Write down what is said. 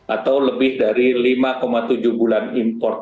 atau lebih dari lima tujuh bulan import